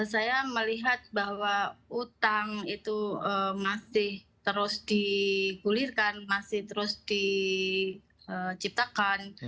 saya melihat bahwa utang itu masih terus digulirkan masih terus diciptakan